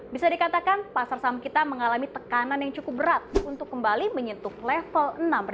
bisa dikatakan pasar saham kita mengalami tekanan yang cukup berat untuk kembali menyentuh level enam